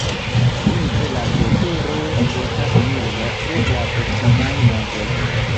Vintre la vetero estas milda pro la proksimaj montoj.